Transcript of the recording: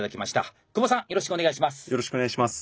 よろしくお願いします。